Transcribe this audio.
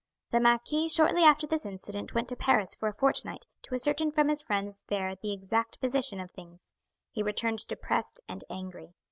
The marquis shortly after this incident went to Paris for a fortnight to ascertain from his friends there the exact position of things. He returned depressed and angry.